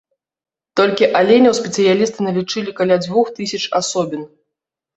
Толькі аленяў спецыялісты налічылі каля дзвюх тысяч асобін.